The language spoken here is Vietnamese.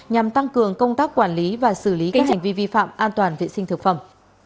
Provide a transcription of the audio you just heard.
nhằm tăng cường công tác quản lý và xử lý các hành vi vi phạm an toàn vệ sinh thực phẩm